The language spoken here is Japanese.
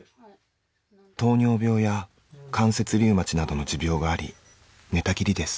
糖尿病や関節リウマチなどの持病があり寝たきりです。